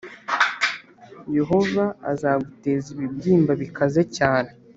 “Yehova azaguteza ibibyimba bikaze cyane